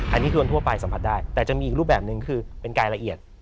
อันนี้คือคนทั่วไปสัมผัสได้แต่จะมีอีกรูปแบบนึงคือเป็นรายละเอียด